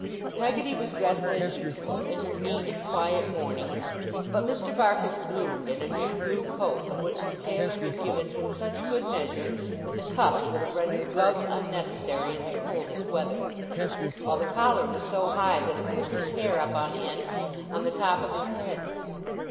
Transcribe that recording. Peggotty was dressed as usual, in her neat and quiet mourning; but Mr. Barkis bloomed in a new blue coat, of which the tailor had given him such good measure, that the cuffs would have rendered gloves unnecessary in the coldest weather, while the collar was so high that it pushed his hair up on end on the top of his head.